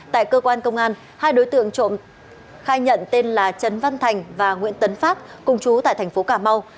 tại cơ quan công an hai đối tượng trộm khai nhận tên là trấn văn thành và nguyễn tấn pháp cùng chú tại tp cà mau